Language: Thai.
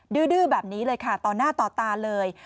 ดื้อแบบนี้เลยค่ะต่อหน้าต่อตาเลย